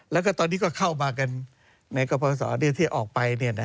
แล้วตอนนี้ก็เข้ามาในกำพันธุ์สอนี้ที่ออกไป